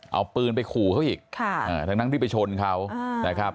เอาปืนไปขู่เขาอีกทั้งที่ไปชนเขานะครับ